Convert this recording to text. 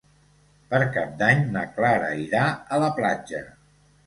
Per Cap d'Any na Clara irà a la platja.